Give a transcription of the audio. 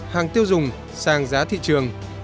hàng tiêu dùng sang giá thị trường